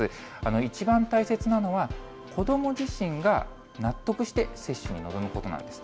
一番大切なのは、子ども自身が納得して接種に臨むことなんです。